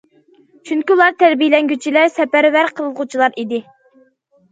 چۈنكى ئۇلار تەربىيەلەنگۈچىلەر، سەپەرۋەر قىلىنغۇچىلار ئىدى.